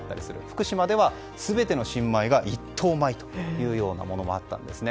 福島では、全ての新米が１等米というようなところもあったんですね。